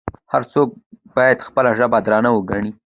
هر څوک باید خپله ژبه درنه وګڼي.